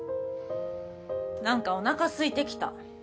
なんかおなかすいてきた。